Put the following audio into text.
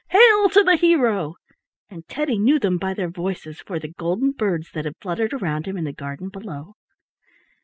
Hail to the hero!" and Teddy knew them by their voices for the golden birds that had fluttered around him in the garden below.